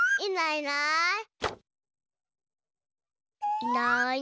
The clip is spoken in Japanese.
いないいない。